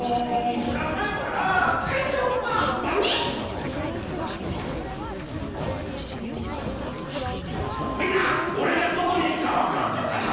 みんなおれがどこにいるかわかったかな？